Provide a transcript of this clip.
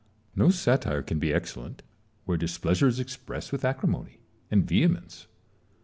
No satire can be excel lent where displeasure is expressed with acrimony and vehemence.